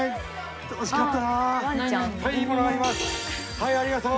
はいありがとう。